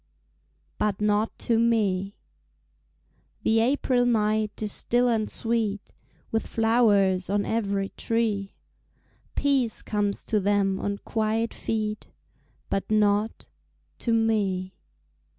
But Not to Me The April night is still and sweet With flowers on every tree; Peace comes to them on quiet feet, But not to me.